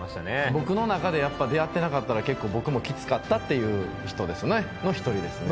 僕の中で出会ってなかったら結構僕もキツかったっていう人ですねの１人ですね